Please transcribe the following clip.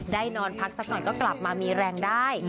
นอนพักสักหน่อยก็กลับมามีแรงได้